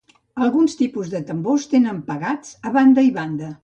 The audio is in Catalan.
Alguns tipus de tambors tenen pegats a banda i banda.